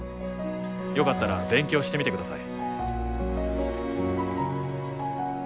よかったら勉強してみてください。